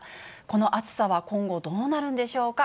この暑さは今後、どうなるんでしょうか。